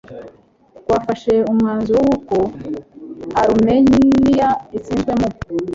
rwafashe umwanzuro w uko Arumeniya itsinzwe mu